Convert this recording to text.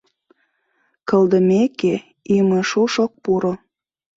Кылдымеке, имышуш ок пуро.